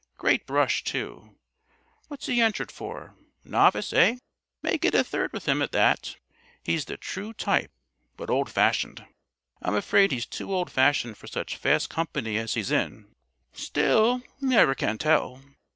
Great brush, too! What's he entered for? Novice, hey? May get a third with him at that. He's the true type but old fashioned. I'm afraid he's too old fashioned for such fast company as he's in. Still, you never can tell.